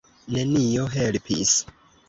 Nenio helpis.